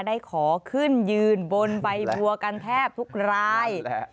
ได้ขอขึ้นยืนบนใบบัวกันแทบทุกราย